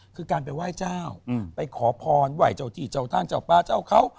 คือการไปไหว้เจ้าไปขอพรไหว้เจ้าที่เจ้าทางเจ้าปลาเจ้าเขา